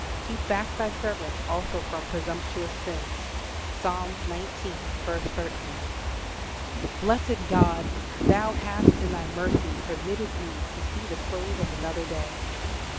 "Keep back Thy servant also from presumptuous sins." Psalm xix. 13. Blessed God, Thou hast in Thy mercy permitted me to see the close of another day.